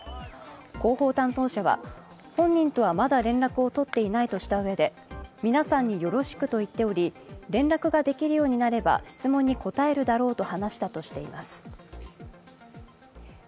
広報担当者は本人とはまだ連絡を取っていないとしたうえで皆さんによろしくと言っており連絡ができるようになれば質問に答えるだろうと話したとしています。